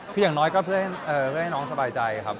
คืออย่างน้อยก็เพื่อให้น้องสบายใจครับ